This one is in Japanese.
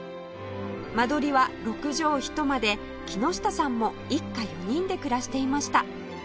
間取りは６畳一間で木下さんも一家４人で暮らしていました